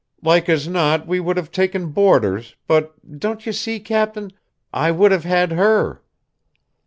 Like as not we would have taken boarders, but, don't you see, Cap'n, I would have had her?"